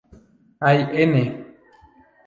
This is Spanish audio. Hay "N"!